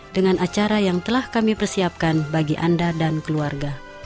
dengan acara yang telah kami persiapkan bagi anda dan keluarga